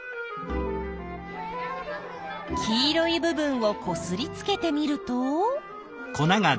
黄色い部分をこすりつけてみると。